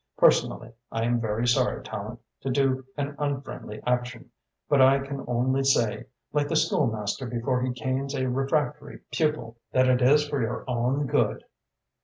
Personally, I am very sorry, Tallente, to do an unfriendly action, but I can only say, like the school master before he canes a refractory pupil, that it is for your own good."